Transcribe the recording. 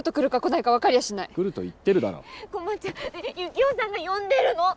行男さんが呼んでるの！